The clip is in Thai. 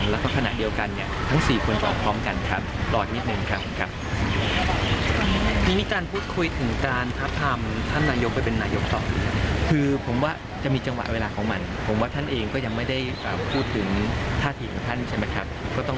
แล้วก็ต้องตัดสินใจว่าจะมีใครบ้าง